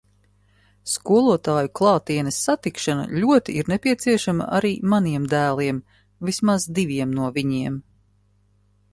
Skolotāju klātienes satikšana ļoti ir nepieciešama arī maniem dēliem, vismaz diviem no viņiem.